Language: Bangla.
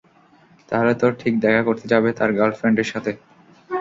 তাহলে তো ঠিক দেখা করতে যাবে তার গার্ল ফ্রেন্ড এর সাথে।